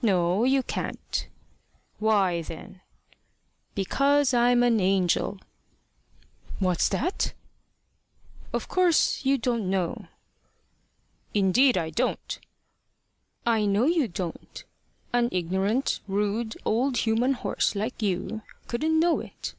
"No, you can't." "Why then?" "Because I'm an angel." "What's that?" "Of course you don't know." "Indeed I don't." "I know you don't. An ignorant, rude old human horse, like you, couldn't know it.